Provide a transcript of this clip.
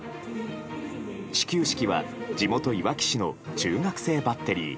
始球式は地元いわき市の中学生バッテリー。